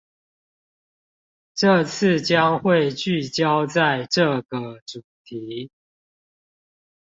這次將會聚焦在這個主題